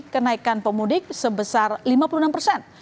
kenaikan pemudik sebesar lima puluh enam persen